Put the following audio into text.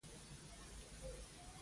اوس د شپې څه باندې دوه بجې دي.